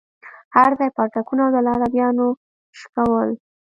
هرځاى پاټکونه او د لارويانو شکول.